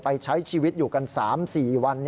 ใช้ชีวิตอยู่กัน๓๔วัน